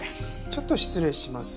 ちょっと失礼します。